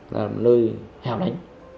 là nơi hẻo đánh